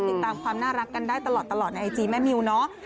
ติดตามความน่ารักกันได้ตลอดในไอจีแม่มิวเนอะ